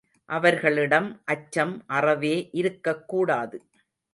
அவர்களிடம் அச்சம் அறவே இருக்கக் கூடாது.